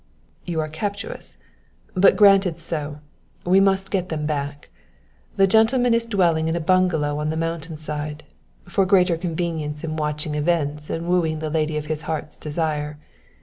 "You are captious; but granted so, we must get them back. The gentleman is dwelling in a bungalow on the mountain side, for greater convenience in watching events and wooing the lady of his heart's desire.